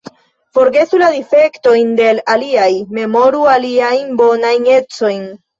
Forgesu la difektojn de l' aliaj, memoru iliajn bonajn ecojn.